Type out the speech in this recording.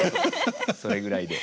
それぐらいで。